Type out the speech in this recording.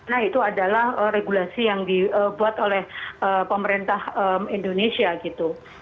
nah itu adalah regulasi yang dibuat oleh pemerintah indonesia gitu